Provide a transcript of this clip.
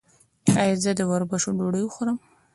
ایا زه د وربشو ډوډۍ وخورم؟